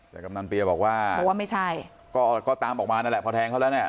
แต่กำนันเปียบอกว่าไม่ใช่ก็ตามออกมานั่นแหละพอแทงเขาแล้วเนี่ย